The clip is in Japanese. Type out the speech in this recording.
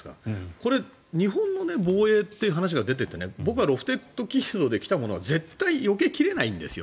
これ、日本の防衛っていう話が出て僕はロフテッド軌道で来たものは絶対よけきれないんですよ。